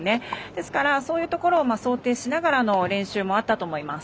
ですからそういうところを想定しながらの練習もあったと思います。